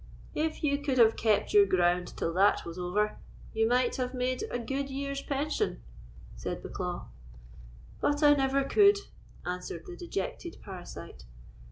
"If you could have kept your ground till that was over, you might have made a good year's pension," said Bucklaw. "But I never could," answered the dejected parasite.